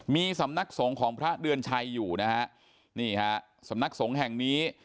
มีสำนักสงฆ์ของพระเดือนชัยอยู่นะฮะนี่ฮะสำนักสงฆ์แห่งนี้